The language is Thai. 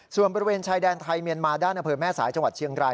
ส่วนบริเวณชายแดนไทยเมียนมาด้านอำเภอแม่สายจังหวัดเชียงราย